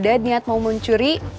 ada niat mau mencuri